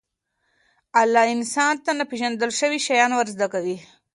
الله انسان ته ناپېژندل شوي شیان ورزده کوي.